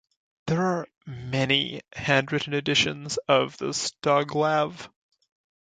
There are many hand-written editions of the "Stoglav".